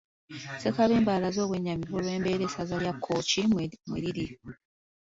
Ssekabembe alaze obwennyamivu olw'embeera essaza lya Kkooki mwe liri